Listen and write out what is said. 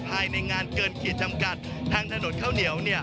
ภายในงานเกินขีดจำกัดทางถนนข้าวเหนียว